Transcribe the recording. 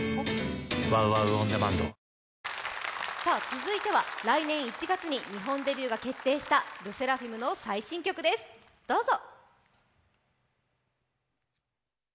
続いては来年１月に日本デビューが決定したＬＥＳＳＥＲＡＦＩＭの最新曲ですどうぞ。